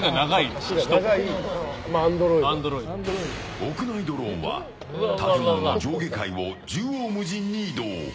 屋内ドローンは建物の上下階を縦横無尽に移動。